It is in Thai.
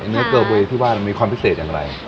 เนื้อโกเบที่ว่ามันมีความพิเศษอย่างไร